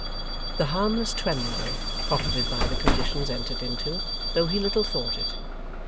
The harmless Twemlow profited by the conditions entered into, though he little thought it.